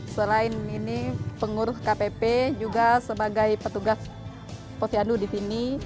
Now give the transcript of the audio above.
selain ini pengurus kpp juga sebagai petugas posyandu di sini